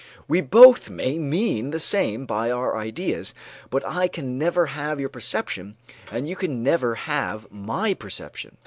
We both may mean the same by our ideas, but I can never have your perception and you can never have my perception.